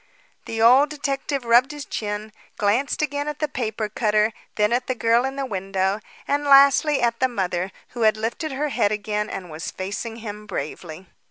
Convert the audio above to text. The old detective rubbed his chin, glanced again at the paper cutter, then at the girl in the window, and lastly at the mother, who had lifted her head again and was facing him bravely.